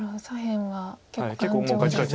左辺は結構頑丈。